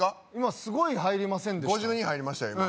今すごい入りませんでした？